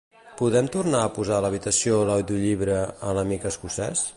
Podem tornar a posar a l'habitació l'audiollibre "A l'amic escocès"?